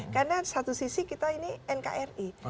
karena satu sisi kita ini nkri